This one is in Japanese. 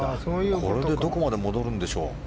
これでどこまで戻るんでしょう。